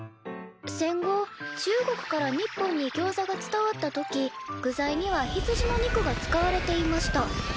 「戦後中国から日本にギョウザが伝わった時具材には羊の肉が使われていました。